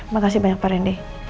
makasih banyak pak rendy